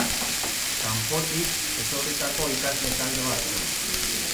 Kanpotik etorritako ikasle talde bat zen.